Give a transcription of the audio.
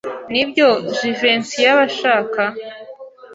Nibyo Jivency yaba ashaka?